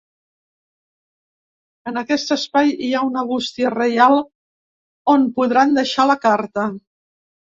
En aquest espai hi ha una bústia reial on podran deixar la carta.